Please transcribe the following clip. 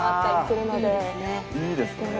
いいですね。